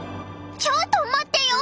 ちょっと待ってよ！